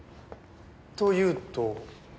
というと？